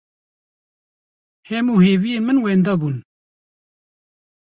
Hemû hêviyên min wenda bûn.